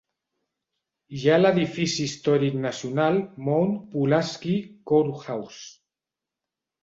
Hi ha l'edifici històric nacional Mount Pulaski Courthouse.